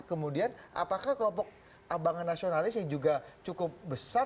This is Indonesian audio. kemudian apakah kelompok abangan nasionalis yang juga cukup besar